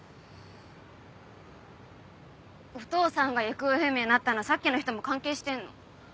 お父さんが行方不明になったのはさっきの人も関係してんの？